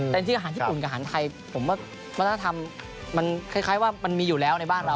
แต่จริงอาหารญี่ปุ่นกับอาหารไทยผมว่าวัฒนธรรมมันคล้ายว่ามันมีอยู่แล้วในบ้านเรา